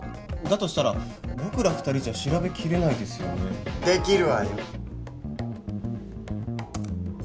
だとしたら僕ら２人じゃ調べきれないですよねできるわよ「ＨＡＮＡＫＡＭＡＫＩＲＩ」